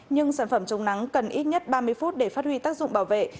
nhưng sản phẩm chống nắng cần ít nhất ba mươi phút để phát huy tác dụng bảo vệ